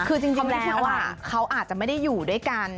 คือจริงแล้วเขาอาจจะไม่ได้อยู่ด้วยกัน